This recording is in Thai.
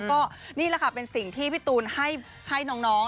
ก็นี่แหละค่ะเป็นสิ่งที่พี่ตูนให้น้อง